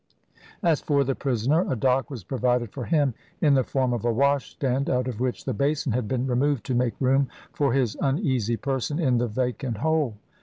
As for the prisoner, a dock was provided for him in the form of a wash stand, out of which the basin had been removed to make room for his uneasy person in the vacant hole.